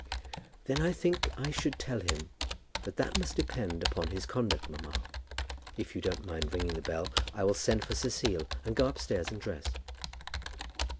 "Then I think I should tell him that that must depend upon his conduct. Mamma, if you won't mind ringing the bell, I will send for Cecile, and go upstairs and dress."